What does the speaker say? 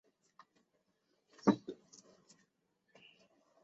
内容不时嘲笑精致艺术和章鱼哥的劳工权益想法。